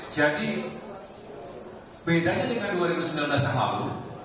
jadi bedanya dengan dua ribu sembilan belas yang lalu